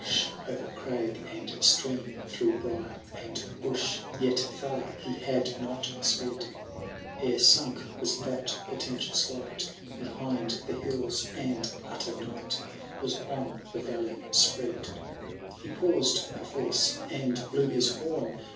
Forth from the cave did Roland rush, 0*er crag and stream, through brier and bush ; Yet fiur he had not sped,^ Ere sunk was that portentous light Behind the hills, and utter night Was on the valley spread.^ He paused perforce, — and blew his horn.